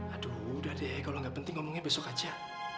aduh udah deh kalau nggak penting ngomongnya besok aja